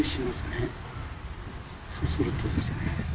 そうするとですね